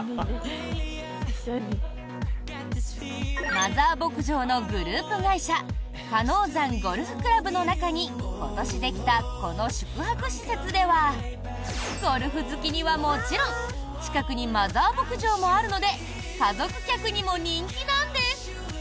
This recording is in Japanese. マザー牧場のグループ会社鹿野山ゴルフ倶楽部の中に今年できたこの宿泊施設ではゴルフ好きにはもちろん近くにマザー牧場もあるので家族客にも人気なんです。